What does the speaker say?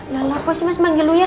lalu aku masih mesti panggil uya